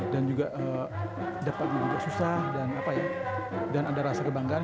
dan juga dapatnya juga susah dan ada rasa kebanggaan